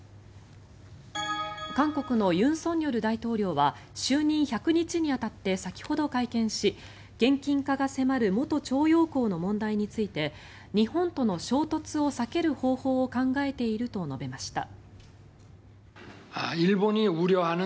韓国の尹錫悦大統領は就任１００日に当たって先ほど会見し、現金化が迫る元徴用工の問題について日本との衝突を避ける方法を考えていると述べました。